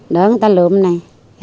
để người ta lượm này